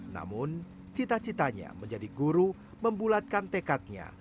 namun cita citanya menjadi guru membulatkan tekadnya